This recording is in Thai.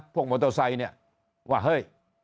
พวกมอเตอร์ไซค์เนี่ยว่าเฮ้ย